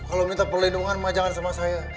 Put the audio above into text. kalau minta perlindungan mau jangan sama saya